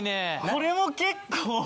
これも結構。